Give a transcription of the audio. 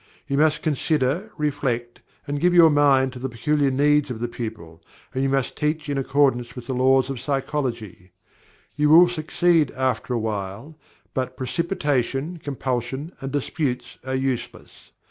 You must consider, reflect, and give your mind to the peculiar needs of the pupil, and you must teach in accordance with the laws of psychology. You will succeed after a while, but precipitation, compulsion, and disputes are useless.